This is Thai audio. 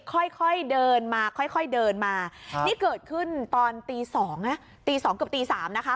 ค่อยค่อยเดินมาค่อยเดินมานี่เกิดขึ้นตอนตีสองนะตีสองเกือบตีสามนะคะ